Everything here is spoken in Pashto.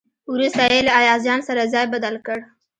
وروسته یې له ایاز جان سره ځای بدل کړ.